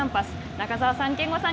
中澤さん、憲剛さん